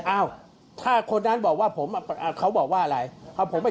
อ้าวถ้าคนนั้นบอกว่าผมเขาบอกว่าอะไร